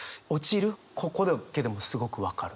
ここだけでもうすごく分かる。